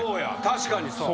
確かにそう。